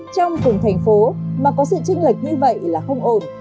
trong vùng thành phố mà có sự trưng lệch như vậy là không ổn